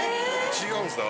違うんですね。